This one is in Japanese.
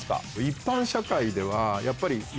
一般社会ではやっぱり。